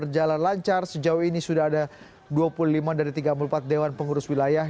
berjalan lancar sejauh ini sudah ada dua puluh lima dari tiga puluh empat dewan pengurus wilayah